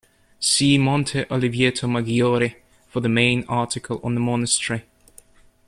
See Monte Oliveto Maggiore for the main article on the monastery.